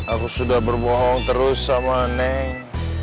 aku sudah berbohong terus sama neng